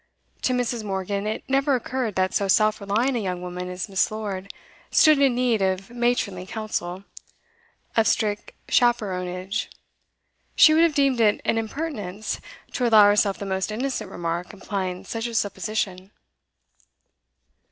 To Mrs. Morgan it never occurred that so self reliant a young woman as Miss. Lord stood in need of matronly counsel, of strict chaperonage; she would have deemed it an impertinence to allow herself the most innocent remark implying such a supposition.